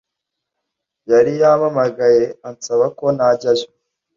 yari yampamagaye ansaba ko najyayo